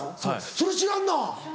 それ知らんな。